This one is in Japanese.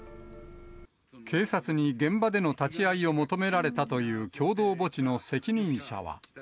警察に現場での立ち会いを求められたという共同墓地の責任者は。